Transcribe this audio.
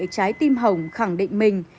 trái tim hồng khẳng định mình